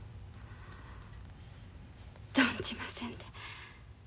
存じませんで。